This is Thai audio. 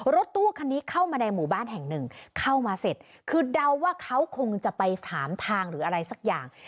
รถตู้คันนี้เข้ามาในหมู่บ้านแห่งหนึ่งเข้ามาเสร็จคือเดาว่าเขาคงจะไปถามทางหรืออะไรสักอย่าง